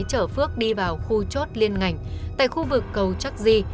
chở phước đi vào khu chốt liên ngành tại khu vực cầu chakri